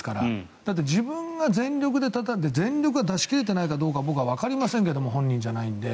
だって自分が全力で戦って全力を出し切れていないかどうかは僕はわかりませんけど本人じゃないので。